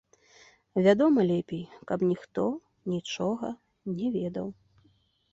Вядома, лепей, каб ніхто нічога не ведаў.